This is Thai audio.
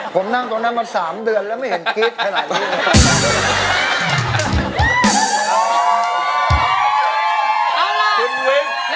ผมนั่งตรงนั้นมา๓เดือนแล้วไม่เห็นพิษขนาดนี้เลย